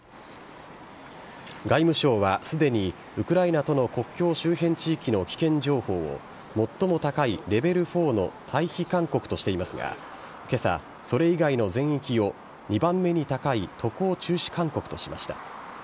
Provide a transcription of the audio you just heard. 外務省は、すでにウクライナとの国境周辺地域の危険情報を、最も高いレベル４の退避勧告としていますが、けさ、それ以外の全域を２番目に高い渡航中止勧告としました。